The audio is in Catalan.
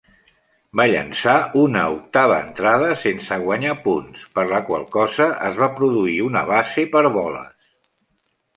Va llençar una octava entrada sense guanyar punts, per la qual cosa es va produir una base per boles.